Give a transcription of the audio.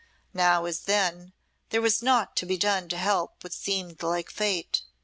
Now, as then, there was naught to be done to help what seemed like Fate.